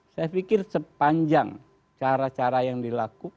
saya pikir sepanjang cara cara yang dilakukan